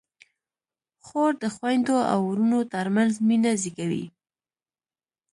خور د خویندو او وروڼو ترمنځ مینه زېږوي.